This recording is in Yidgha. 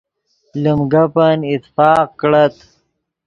لیم گپن اتفاق کڑت